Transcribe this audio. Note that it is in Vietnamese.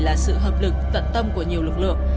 là sự hợp lực tận tâm của nhiều lực lượng